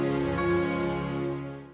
kalau kita kagak